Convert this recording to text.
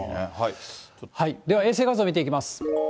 では衛星画像見ていきます。